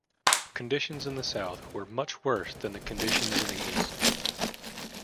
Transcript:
Conditions in the South were much worse than the conditions in the East.